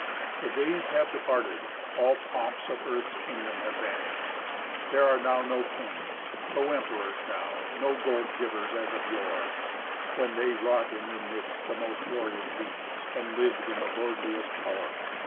The days have departed, all pomps of earth's king dom have vanished; t: "3 : There now are no kings, no emperors now, no gold givers As of yore, when they wrought in their midst the most glorious deeds. And lived in the lordliest power.